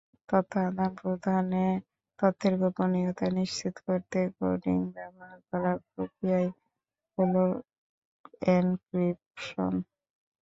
তথ্য আদান-প্রদানে তথ্যের গোপনীয়তা নিশ্চিত করতে কোডিং ব্যবহার করার প্রক্রিয়াই হলো এনক্রিপশন।